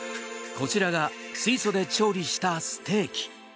こちらが水素で調理したステーキ。